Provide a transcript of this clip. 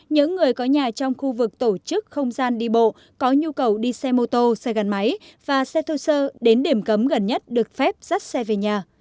những người có nhà trong khu vực tổ chức không gian đi bộ có nhu cầu đi xe mô tô xe gắn máy và xe thô sơ đến điểm cấm gần nhất được phép dắt xe về nhà